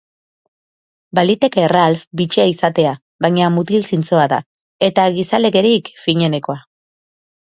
Baliteke Ralph bitxia izatea, baina mutil zintzoa da, eta gizalegerik finenekoa.